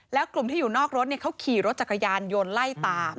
แล้วกลุ่มที่อยู่นอกรถเขาขี่รถจักรยานยนต์ไล่ตาม